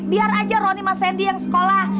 biar aja ronnie mas sandy yang sekolah